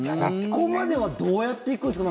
ここまではどうやって行くんですか？